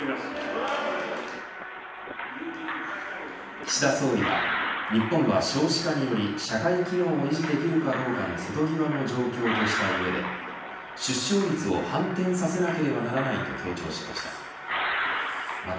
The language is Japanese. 岸田総理は日本は少子化により社会機能を維持できるかどうかの瀬戸際の状況とした上で出生率を反転させなければならないと強調しました。